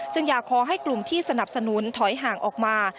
อยากขอให้กลุ่มที่สนับสนุนถอยห่างออกมา